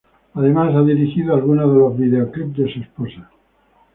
Además ha dirigido algunos de los videoclips de su esposa.